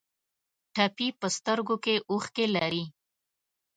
ټپي په سترګو کې اوښکې لري.